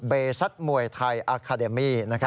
เบซัทมวยไทยอคาเดมี่